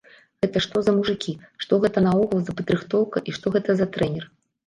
Гэта што за мужыкі, што гэта наогул за падрыхтоўка і што гэта за трэнер?